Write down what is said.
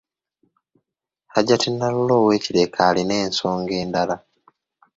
Hajat Nakalule ow’e Kireka alina ensonga endala.